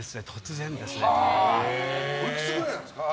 おいくつぐらいなんですか。